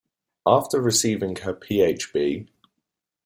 After receiving her Ph.B.